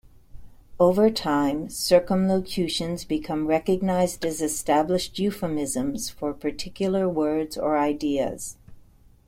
Over time, circumlocutions become recognized as established euphemisms for particular words or ideas.